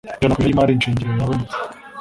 ijana ku ijana y’imari shingiro yabonetse